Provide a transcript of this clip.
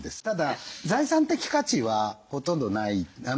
ただ財産的価値はほとんどない。